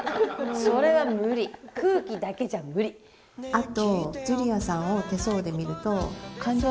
あと。